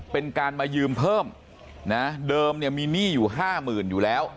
เป็นการมายืมเพิ่มนะเดิมเนี่ยมีหนี้อยู่ห้าหมื่นอยู่แล้ว